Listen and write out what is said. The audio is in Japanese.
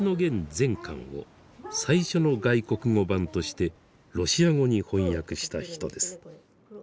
全巻を最初の外国語版としてロシア語に翻訳した人です。